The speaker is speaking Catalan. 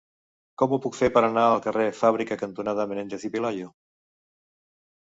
Com ho puc fer per anar al carrer Fàbrica cantonada Menéndez y Pelayo?